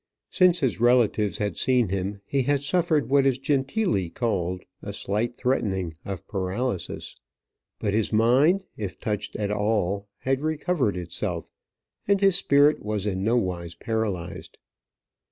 Since his relatives had seen him he had suffered what is genteelly called a slight threatening of paralysis. But his mind, if touched at all, had recovered itself; and his spirit was in nowise paralyzed.